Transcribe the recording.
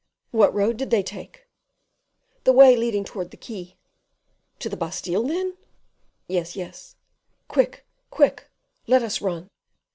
"What road did they take?" "The way leading towards the quay." "To the Bastile, then?" "Yes, yes." "Quick, quick; let us run."